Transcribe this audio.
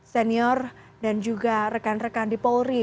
senior dan juga rekan rekan di polri